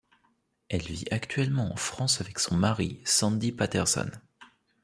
Elle vit actuellement en France avec son mari, Sandy Paterson.